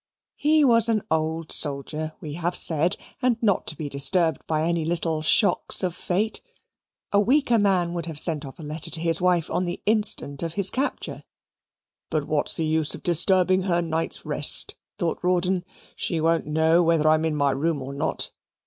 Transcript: He was an old soldier, we have said, and not to be disturbed by any little shocks of fate. A weaker man would have sent off a letter to his wife on the instant of his capture. "But what is the use of disturbing her night's rest?" thought Rawdon. "She won't know whether I am in my room or not.